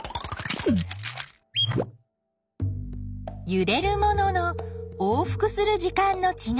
ゆれるものの往復する時間のちがい。